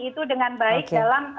itu dengan baik dalam